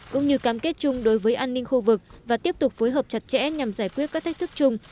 cũng như cam kết chung đối với an ninh khu vực và tiếp tục phối hợp chặt chẽ nhằm giải quyết các thách thức chung